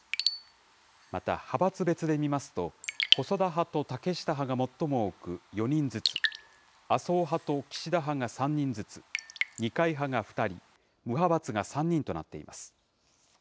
また派閥別で見ますと、細田派と竹下派が最も多く４人ずつ、麻生派と岸田派が３人ずつ、二階派が２人、無派閥が３人となっています。